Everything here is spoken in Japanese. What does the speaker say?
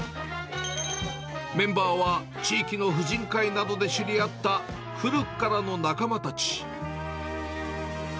メンバーは、地域の婦人会などで知り合った古くからの仲間たち。